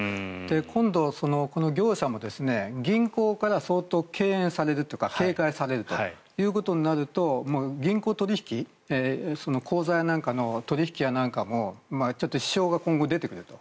今度、この業者も銀行から相当敬遠されるというか警戒されるということになると銀行取引口座やなんかの取引なんかもちょっと支障が今後出てくると。